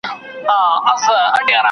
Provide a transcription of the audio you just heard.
بدلون باید د ښه والي لپاره وي.